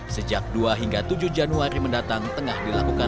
sejak dua hingga tujuh januari mendatang tengah dilakukan